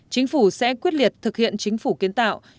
chính phủ sẽ quyết liệt thực hiện chính phủ kiến tạo